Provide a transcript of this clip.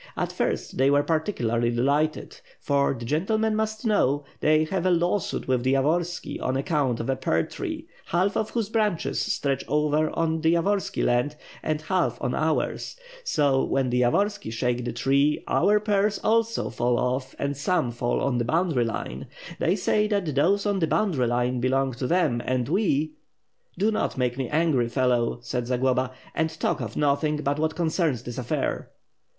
At first they were particularly delighted; for, the gentlemen must know, they have a law suit with the Yavorski on account of a pear tree, half of whose branches stretch over on the Yavorski land and half on ours. So, when the Yavorski shake the tree our pears also fall oflF and some fall on the boundary line. They say that those on the boundary line belong to them, and we "Do not make me angry, fellow!" said Zagloba. "And talk of nothing but what concerns this affair."